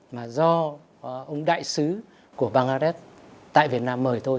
mà do ông đại sứ của bangladesh tại việt nam mời thôi